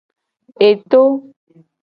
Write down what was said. Eto.